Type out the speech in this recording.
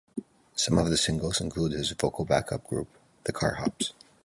Some of the singles include his vocal backup group, the Carr Hops.